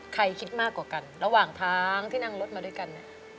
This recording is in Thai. คิดมากกว่ากันระหว่างทางที่นั่งรถมาด้วยกัน